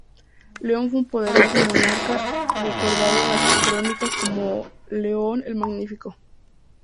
León fue un poderoso monarca, recordado en las crónicas como "León el Magnífico".